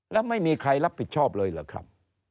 แล้วไม่มีใครรับผิดชอบเลยเหรอครับ